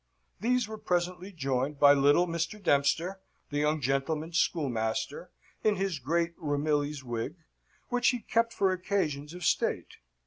These were presently joined by little Mr. Dempster, the young gentlemen's schoolmaster, in his great Ramillies wig, which he kept for occasions of state.